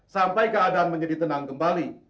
sampai keadaan menjadi tenang kembali